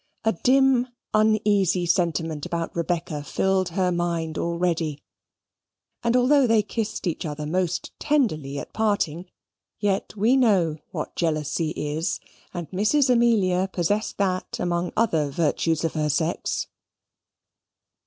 A dim uneasy sentiment about Rebecca filled her mind already; and although they kissed each other most tenderly at parting, yet we know what jealousy is; and Mrs. Amelia possessed that among other virtues of her sex.